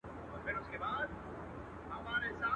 خزان له پېغلو پېزوانونو سره لوبي کوي.